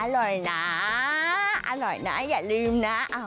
อร่อยนะอร่อยนะอย่าลืมนะ